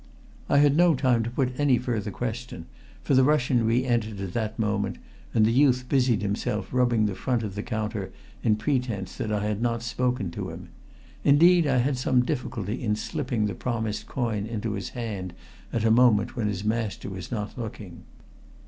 I had no time to put any further question, for the Russian re entered at that moment, and the youth busied himself rubbing the front of the counter in pretense that I had not spoken to him. Indeed, I had some difficulty in slipping the promised coin into his hand at a moment when his master was not looking.